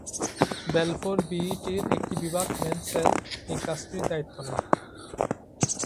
Balfour বিইটির একটি বিভাগ ম্যানসেল এই কাজটির দায়িত্ব নেন।